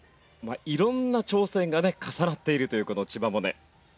いろんな挑戦がね重なっているというこの千葉百音。